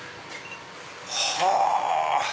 はぁ！